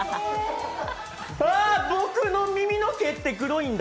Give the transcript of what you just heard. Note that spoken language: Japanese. あっ、僕の耳の毛って黒いんだ！